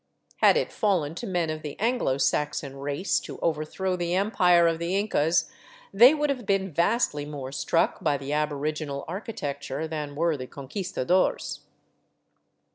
Had it fallen to men of the Anglo Saxon race to overthrow the empire of the Incas, they would have been vastly more struck by the aboriginal architecture than were the Conquistadores.